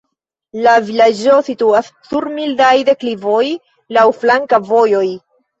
La vilaĝo situas sur mildaj deklivoj, laŭ flanka vojoj.